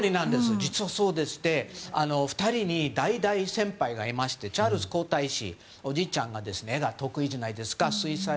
実はそうで２人に大先輩がいましてチャールズ皇太子おじいちゃん絵が得意じゃないですか。